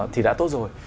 thì đã tốt rồi